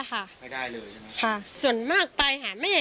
ของหลักได้ไหมไม่ได้ค่ะไม่ได้เลยใช่ไหมค่ะส่วนมากตายแห่งแม่